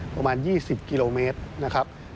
ประมาณ๒๐กิโลเมตรนะครับ